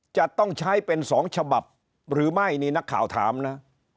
จะต้องใช้เป็น๒ฉบับหรือไม่นี่นักข่าวถามนะ